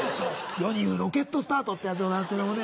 世に言うロケットスタートっていうやつでございますけどもね。